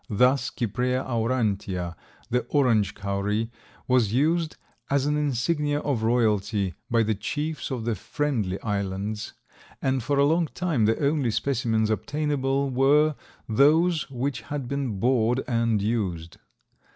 Thus, Cypraea aurantia, the orange cowry, was used as an insignia of royalty by the chiefs of the Friendly Islands, and for a long time the only specimens obtainable were those which had been bored and used.